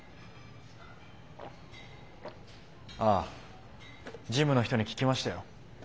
ああジムの人に聞きましたよ。